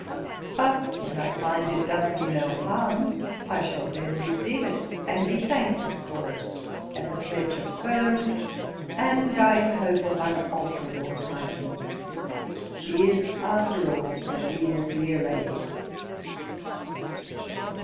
But when I find it does me no harm, I shall then receive it and be thankful for it, as a pledge of firm, and, I hope, of unalterable kindness. She is, after all, a dear, dear lady.